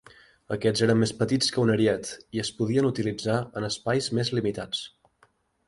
Aquests eren més petits que un ariet i es podien utilitzar en espais més limitats.